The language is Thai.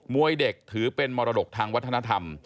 วยเด็กถือเป็นมรดกทางวัฒนธรรม